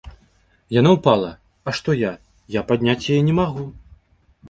Яна ўпала, а што я, я падняць яе не магу.